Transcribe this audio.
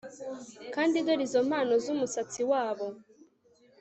Kandi dore izi mpano zumusatsi wabo